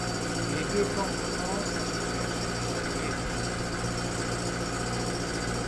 Les deux camps commencent à se chercher des alliés.